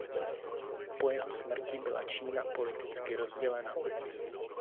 Po jeho smrti byla Čína politicky rozdělena.